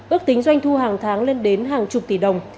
ước tính doanh thu hàng tháng lên đến hàng chục tỷ đồng